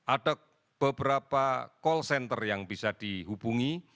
ada beberapa call center yang bisa dihubungi